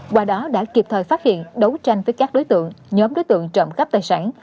qua đó đã kịp thời phát hiện đấu tranh với các đối tượng nhóm đối tượng trộm cắp tài sản